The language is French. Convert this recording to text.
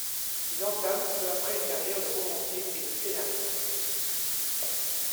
Il entame peu après une carrière de romancier et de scénariste.